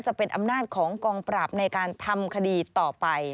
จะเป็นอำนาจของกองปราบในการทำคดีต่อไป